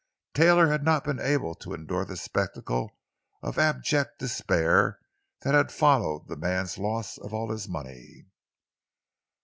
Taylor had not been able to endure the spectacle of abject despair that had followed the man's loss of all his money.